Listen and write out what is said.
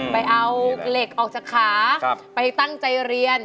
ไปเอาเหล็กออกจากขาไปตั้งใจเรียน